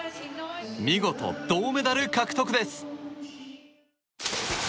見事、銅メダル獲得です。